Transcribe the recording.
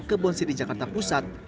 ke bonsiri jakarta pusat